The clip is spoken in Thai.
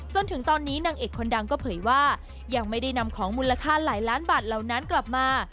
จนถึงตอนนี้นางเอกคนดังก็เผยว่ายังไม่ได้นำของมูลค่าหลายล้านบาทเหล่านั้นกลับมา